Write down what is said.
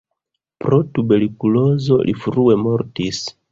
Pro tuberkulozo li frue mortis.